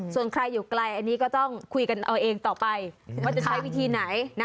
ส่วนใครอยู่ไกลอันนี้ก็ต้องคุยกันเอาเองต่อไปว่าจะใช้วิธีไหนนะ